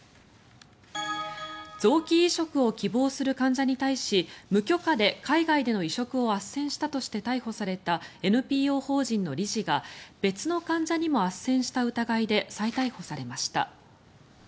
臓器移植を希望する患者に対し無許可で海外での移植をあっせんしたとして逮捕されたＮＰＯ法人の理事が別の患者にもあっせんした疑いで再逮捕されました。